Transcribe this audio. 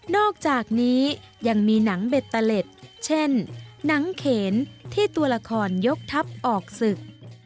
อกจากนี้ยังมีหนังเบตเตอร์เล็ตเช่นหนังเขนที่ตัวละครยกทัพออกศึก